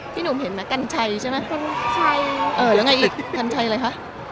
ช่างความที่หนุ่มทำงานเยอะใช่ไหม